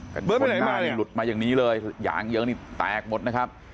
แต่คนหน้านี่หลุดมาอย่างนี้เลยยางเยอะนี่แตกหมดนะครับ